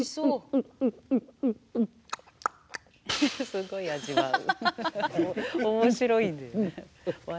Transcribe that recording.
すごい味わう。